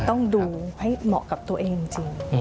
ต้องดูให้เหมาะกับตัวเองจริง